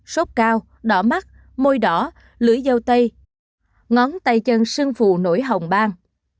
sốt cao đỏ mắt môi đỏ lưỡi dâu tây ngón tay chân sưng phù nổi hồng bang